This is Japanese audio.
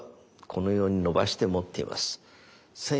このように伸ばして持っています。